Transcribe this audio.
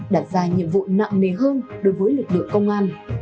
đặt ra nhiệm vụ nặng nề hơn đối với lực lượng công an